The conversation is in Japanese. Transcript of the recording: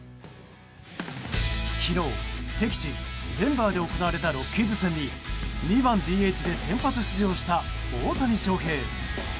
昨日、敵地デンバーで行われたロッキーズ戦に２番ＤＨで先発出場した大谷翔平。